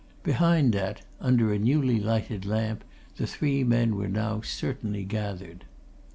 Behind that, under a newly lighted lamp, the three men were now certainly gathered.